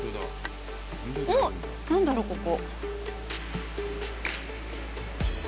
おっ、何だろう、ここ。